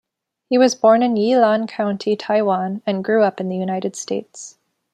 He was born in Yilan County, Taiwan, and grew up in the United States.